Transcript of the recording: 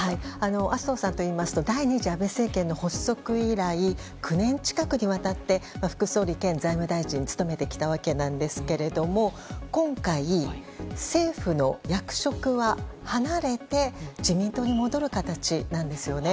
麻生さんといいますと第２次安倍政権の発足以来、９年近くにわたって副総理兼財務大臣を務めてきたわけですが今回、政府の役職は離れて自民党に戻る形なんですよね。